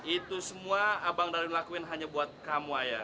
itu semua abang dali melakuin hanya buat kamu ayah